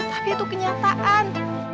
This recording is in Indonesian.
tapi itu kenyataan